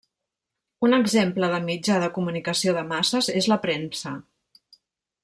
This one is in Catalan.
Un exemple de mitjà de comunicació de masses és la premsa.